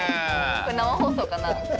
これ生放送かな？